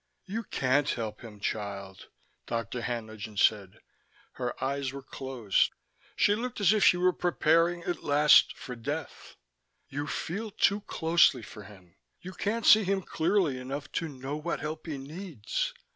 "You can't help him, child," Dr. Haenlingen said. Her eyes were closed: she looked as if she were preparing, at last, for death. "You feel too closely for him: you can't see him clearly enough to know what help he needs."